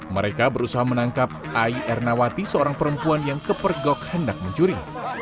mereka berusaha menangkap ai ernawati seorang perempuan yang kepergok hendak mencuri